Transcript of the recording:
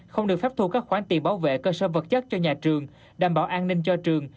không được phép thu các khoản tiền bảo vệ cơ sở vật chất cho nhà trường đảm bảo an ninh cho trường